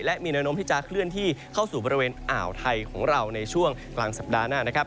และมีแนวโน้มที่จะเคลื่อนที่เข้าสู่บริเวณอ่าวไทยของเราในช่วงกลางสัปดาห์หน้านะครับ